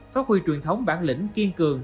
phát huy truyền thống bản lĩnh kiên cường